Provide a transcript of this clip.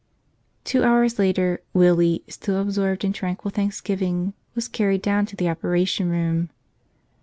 Two hours later Willie, still absorbed in tranquil thanksgiving, was carried down to the operation room.